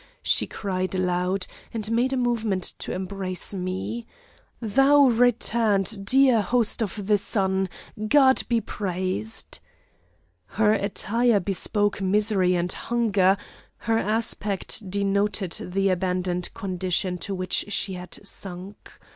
she cried aloud, and made a movement to embrace me. 'Thou returned, dear host of the Sun God be praised!' Her attire bespoke misery and hunger, her aspect denoted the abandoned condition to which she had sunk.